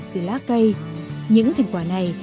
từ lá cây những thành quả này